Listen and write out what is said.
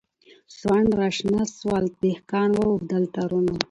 سونډ راشنه سول دهقان و اوبدل تارونه